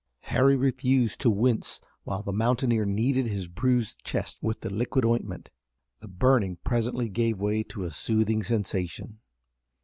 Harry refused to wince while the mountaineer kneaded his bruised chest with the liquid ointment. The burning presently gave way to a soothing sensation.